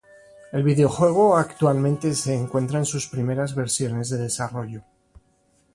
El videojuego actualmente se encuentra en sus primeras versiones de desarrollo.